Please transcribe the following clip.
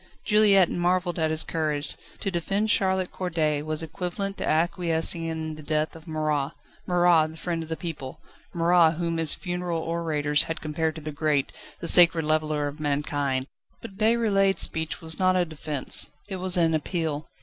Juliette marvelled at his courage; to defend Charlotte Corday was equivalent to acquiescing in the death of Marat: Marat, the friend of the people; Marat, whom his funeral orators had compared to the Great, the Sacred Leveller of Mankind! But Déroulède's speech was not a defence, it was an appeal.